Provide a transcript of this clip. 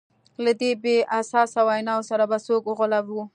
له دې بې اساسه ویناوو سره به څوک وغولوو.